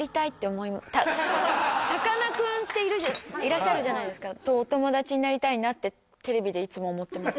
さかなクンっていらっしゃるじゃないですかとお友達になりたいなってテレビでいつも思ってます